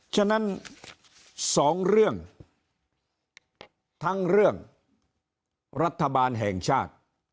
ฉะนั้น๒เรื่องทั้งเรื่องรัฐบาลแห่งชาติ